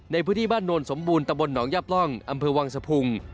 ในพื้นที่บ้านโนนสมบูรณตะบลหนองยับร่องอำเภอวังสะพุง